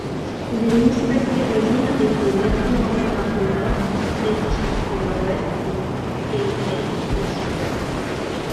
Les municipalités voisines étaient Lappeenranta au nord, Luumäki au nord-ouest et Miehikkälä au sud-ouest.